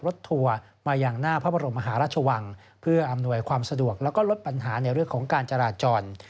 รับชวรรคอำหนวยความสะดวกและก็ลดปัญหาของการจาราจร